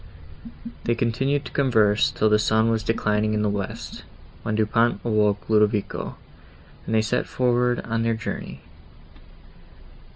They continued to converse, till the sun was declining in the west, when Du Pont awoke Ludovico, and they set forward on their journey.